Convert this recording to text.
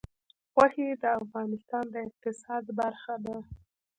غوښې د افغانستان د اقتصاد برخه ده.